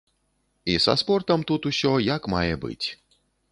І са спортам тут усё, як мае быць.